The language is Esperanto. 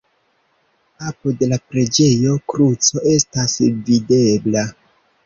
Apud la preĝejo kruco estas videbla.